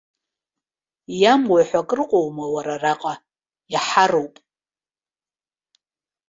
Иамуа ҳәа акырҟоума уара араҟа, иаҳаруп!